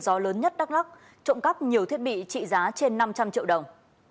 gió lớn nhất đắk lắc trộm cắp nhiều thiết bị trị giá trên năm trăm linh triệu đồng